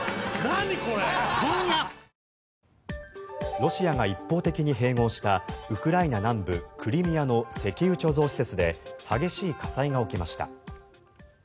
ロシアが一方的に併合したウクライナ南部クリミアの石油貯蔵施設で激しい火災が起きました。